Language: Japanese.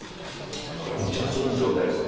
これむちゃくちゃいい状態ですよ。